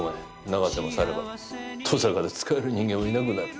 永瀬も去れば登坂で使える人間はいなくなる。